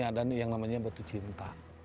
ada yang namanya batu cinta